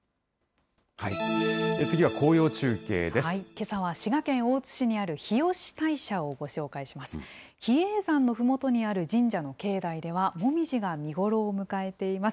けさは、滋賀県大津市にある日吉大社をご紹介します。